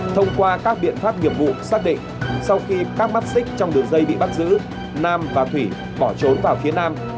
thông qua các biện pháp nghiệp vụ xác định sau khi các mắt xích trong đường dây bị bắt giữ nam và thủy bỏ trốn vào phía nam